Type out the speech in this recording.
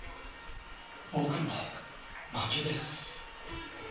ぼくの負けです。